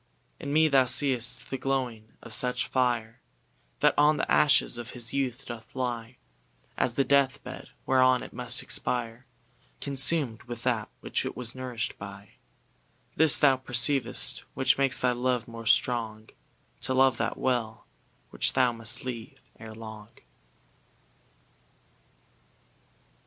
In me thou seeŌĆÖst the glowing of such fire, That on the ashes of his youth doth lie, As the death bed, whereon it must expire, ConsumŌĆÖd with that which it was nourishŌĆÖd by. This thou perceivŌĆÖst, which makes thy love more strong, To love that well, which thou must leave ere long.